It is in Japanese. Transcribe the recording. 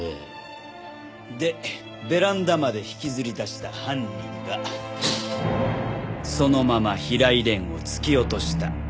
でベランダまで引きずり出した犯人がそのまま平井蓮を突き落とした。